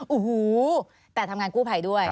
อูหูแต่ทำงานกู้ไภด้วย